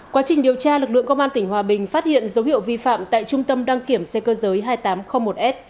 quá trình điều tra lực lượng công an tỉnh hòa bình phát hiện dấu hiệu vi phạm tại trung tâm đăng kiểm xe cơ giới hai nghìn tám trăm linh một s